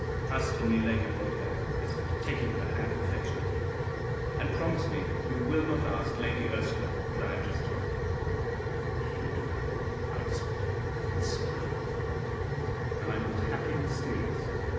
Trust in me, Lady Broadhem," I said, taking her hand affectionately, "and promise me you will not ask Lady Ursula what I have just told her; if you do," I whispered, "you will spoil all," and I looked happy and mysterious.